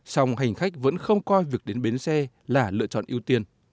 song hành khách vẫn không coi việc đến bến xe là lựa chọn ưu tiên